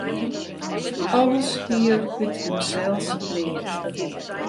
Alles hie er út himsels leard.